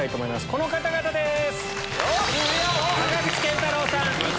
この方々です！